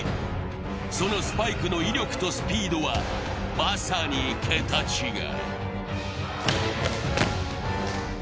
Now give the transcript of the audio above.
そのスパイクの威力とスピードは、まさに桁違い。